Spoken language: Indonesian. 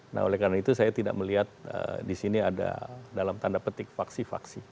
nah oleh karena itu saya tidak melihat di sini ada dalam tanda petik faksi faksi